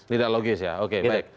tidak logis ya oke baik